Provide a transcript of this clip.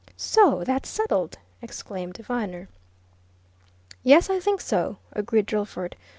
"So that's settled!" exclaimed Viner. "Yes, I think so," agreed Drillford.